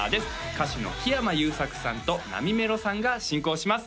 歌手の木山裕策さんとなみめろさんが進行します